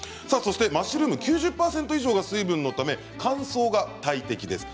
マッシュルームは９０％以上が水分のため乾燥が大敵です。